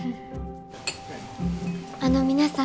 あの皆さん。